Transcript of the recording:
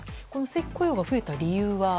正規雇用が増えた理由は？